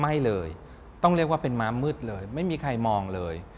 ไม่เลยต้องเรียกว่าเป็นม้ามืดเลยไม่มีใครมองเลย